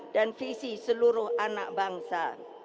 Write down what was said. dan visi seluruh anak bangsa